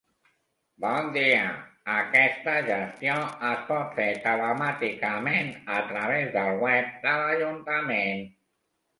Bon dia, aquesta gestió es pot fer telemàticament a través el web de l'ajuntament.